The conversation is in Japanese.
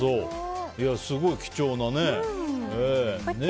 すごい貴重なね。